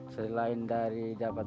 selain dari dapat